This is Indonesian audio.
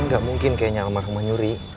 gak mungkin kayaknya almarhum menyuri